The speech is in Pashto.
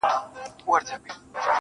اوس مي د كلي ماسومان ځوروي.